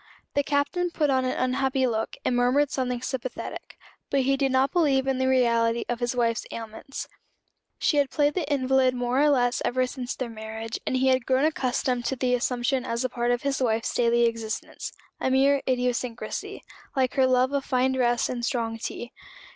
The Captain put on an unhappy look, and murmured something sympathetic: but he did not believe in the reality of his wife's ailments. She had played the invalid more or less ever since their marriage; and he had grown accustomed to the assumption as a part of his wife's daily existence a mere idiosyncrasy, like her love of fine dress and strong tea.